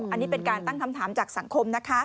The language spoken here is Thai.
อันนี้เป็นการตั้งคำถามจากสังคมนะคะ